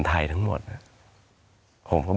สวัสดีครับทุกคน